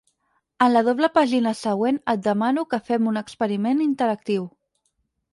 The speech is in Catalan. En la doble pàgina següent, et demano que fem un experiment interactiu.